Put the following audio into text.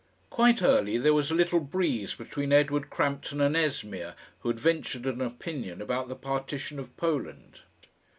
Quite early there was a little breeze between Edward Crampton and Esmeer, who had ventured an opinion about the partition of Poland.